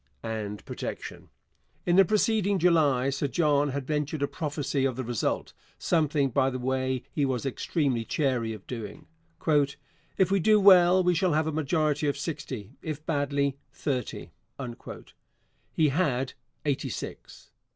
and protection. In the preceding July Sir John had ventured a prophecy of the result something, by the way, he was extremely chary of doing. 'If we do well we shall have a majority of sixty, if badly, thirty.' He had eighty six.